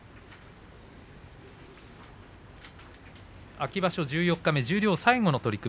秋場所十四日目、十両最後の取組